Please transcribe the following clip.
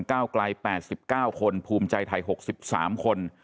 ก้าวไกล๘๙คนภูมิใจไทย๖๓คน